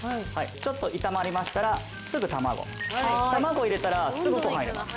ちょっと炒まりましたらすぐ卵卵入れたらすぐご飯入れます